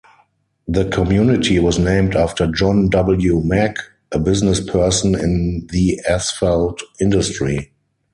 The community was named after John W. Mack, a businessperson in the asphalt industry.